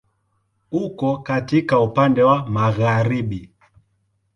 Uko katikati, upande wa magharibi.